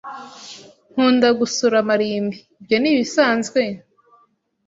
Nkunda gusura amarimbi. Ibyo ni ibisanzwe?